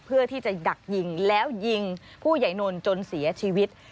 เพื่อที่จะดักยิงแล้วยิงผู้ใหญ่นนท์จนเสียชีวิต